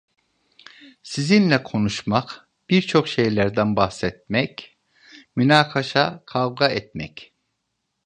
Sizinle konuşmak, birçok şeylerden bahsetmek, münakaşa, kavga etmek…